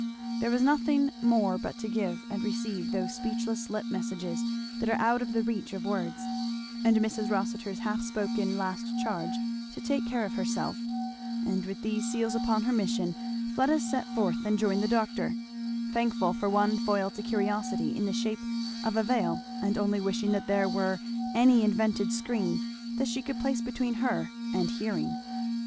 There was nothing more but to give and receive those speechless lip messages that are out of the reach of words, and Mrs. Rossitur's half spoken last charge, to take care of herself; and with these seals upon her mission Fleda set forth and joined the doctor; thankful for one foil to curiosity in the shape of a veil and only wishing that there were any invented screen that she could place between her and hearing.